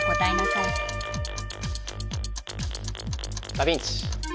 ダビンチ。